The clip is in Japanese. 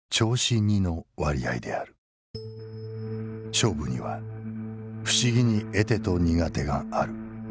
勝負には不思議に得手と苦手がある。